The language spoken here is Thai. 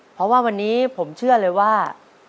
เพราะว่าวันนี้ผมเชื่อเลยว่า